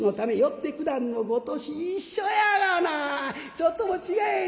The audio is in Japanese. ちょっとも違えへん。